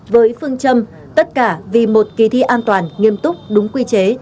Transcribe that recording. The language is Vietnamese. với phương châm tất cả vì một kỳ thi an toàn nghiêm túc đúng quy chế